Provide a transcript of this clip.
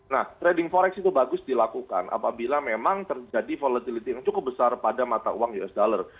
nah trading forex itu bagus dilakukan apabila memang terjadi volatility yang cukup besar pada mata uang usd